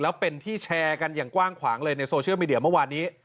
แล้วเป็นที่แชร์กันอย่างกว้างขวางเลยในโซเชียลมีเดียเมื่อวานนี้